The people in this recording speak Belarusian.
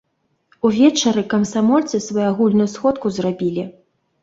Увечары камсамольцы сваю агульную сходку зрабілі.